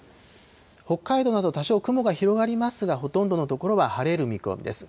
北海道など、多少雲が広がりますが、ほとんどの所は晴れる見込みです。